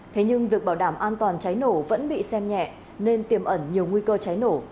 thế nhưng việc bảo đảm an toàn cháy nổ vẫn bị xem nhẹ nên tiềm ẩn nhiều nguy cơ cháy nổ